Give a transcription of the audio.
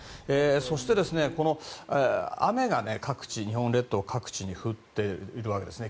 そして、雨が日本列島各地に降っているわけです。